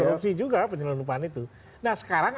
korupsi juga penyelundupan itu nah sekarang